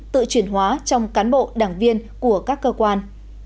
tự chuyển hóa trong cán bộ đảng viên của các cơ quan